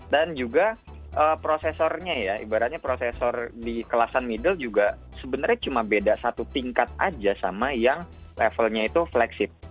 dan juga prosesornya ya ibaratnya prosesor di kelasan middle juga sebenarnya cuma beda satu tingkat aja sama yang levelnya itu flagship